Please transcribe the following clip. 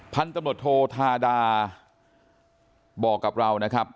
พันธุ์ตำรวจโทธาดาบอกกับเรานะครับ